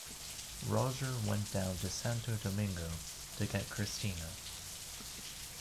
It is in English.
Roger went down to Santo Domingo to get Christina.